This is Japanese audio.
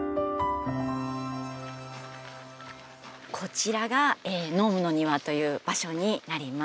こちらがノームの庭という場所になります。